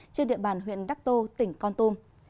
trên địa bàn huyện đắc tô tỉnh con tôn